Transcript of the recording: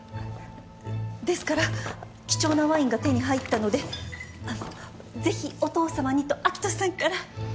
ですから貴重なワインが手に入ったのでぜひお父さまにと明人さんから。